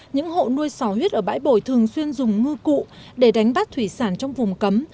những hộ nuôi sò huyết ở bãi bồi thường xuyên dùng ngư cụ để đánh bắt thủy sản trong vùng cấm